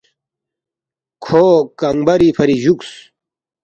کھو کنگ بری فری جُوکس